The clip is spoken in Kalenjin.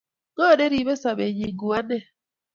Ngo neribe sobenyi ku ane?